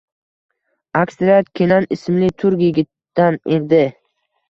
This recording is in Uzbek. Aksariyati Kenan ismli turk yigitdan edi